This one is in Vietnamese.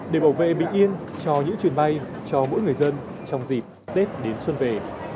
để bảo vệ bình yên cho những chuyến bay cho mỗi người dân trong dịp tết đến xuân về